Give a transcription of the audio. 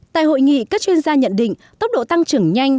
tại hội nghị các chuyên gia nhận định tốc độ tăng trưởng nhanh